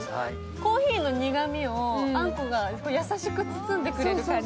コーヒーの苦みをあんこが優しく包んでくれる感じ。